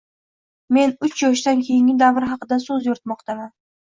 - men uch yoshdan keyingi davr haqida so‘z yuritmoqdaman.